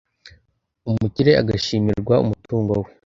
umukire agashimirwa umutungo we